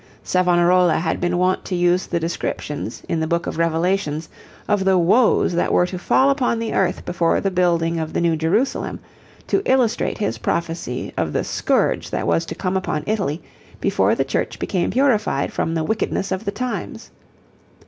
Savonarola had been wont to use the descriptions, in the Book of Revelations, of the woes that were to fall upon the earth before the building of the new Jerusalem, to illustrate his prophecy of the scourge that was to come upon Italy, before the Church became purified from the wickedness of the times.